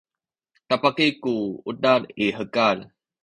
tabaki ku udad i hekal